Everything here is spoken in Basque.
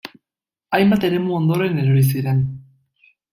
Hainbat eremu ondoren erori ziren.